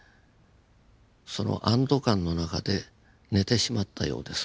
その安堵感の中で寝てしまったようです